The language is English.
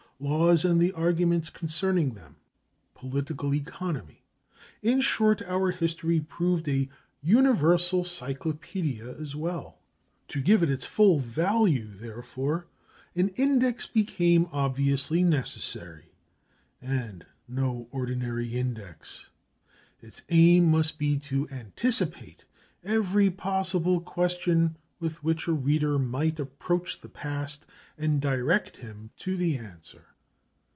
Laws and the arguments concerning them political economy. In short, our history proved a universal cyclopædia as well. To give it its full value, therefore, an index became obviously necessary and no ordinary index. Its aim must be to anticipate every possible question with which a reader might approach the past, and direct him to the answer.